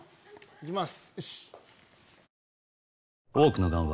行きます！